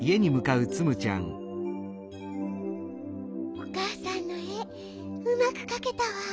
おかあさんのえうまくかけたわ。